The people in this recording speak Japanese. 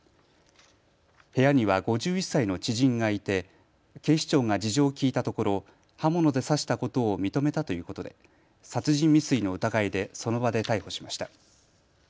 部屋には５１歳の知人がいて警視庁が事情を聴いたところ刃物で刺したことを認めたということで殺人未遂の疑いでその場で逮捕しました。